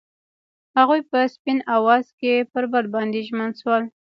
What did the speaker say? هغوی په سپین اواز کې پر بل باندې ژمن شول.